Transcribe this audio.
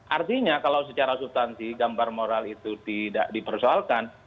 artinya kalau secara substansi gambar moral itu tidak dipersoalkan